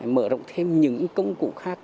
mở rộng thêm những công cụ khác